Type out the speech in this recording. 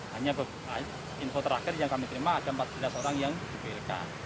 hanya info terakhir yang kami terima ada empat belas orang yang diberikan